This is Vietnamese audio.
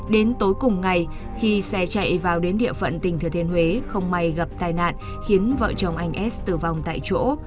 đến tối cùng ngày khi xe chạy vào đến địa phận tỉnh thừa thiên huế không may gặp tai nạn khiến vợ chồng anh s tử vong tại chỗ